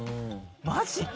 マジか。